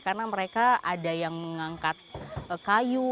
karena mereka ada yang mengangkat kayu